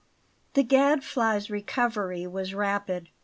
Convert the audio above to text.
THE Gadfly's recovery was rapid.